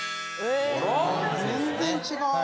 全然違う。